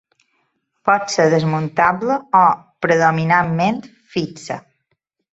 Pot ser desmuntable o, predominantment, fixa.